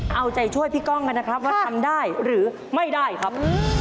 เอาใจช่วยพี่ก้องกันนะครับว่าทำได้หรือไม่ได้ครับ